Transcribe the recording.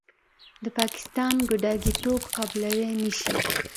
د پاکستان ګوډاګیتوب قبلولې نشي.